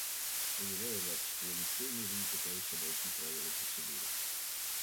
Уверяю вас, что я ни в коей мере не пытаюсь обойти правила процедуры.